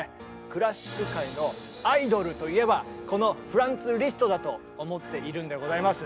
クラシック界のアイドルといえばこのフランツ・リストだと思っているんでございます。